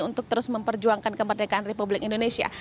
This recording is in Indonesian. untuk terus memperjuangkan kemerdekaan republik indonesia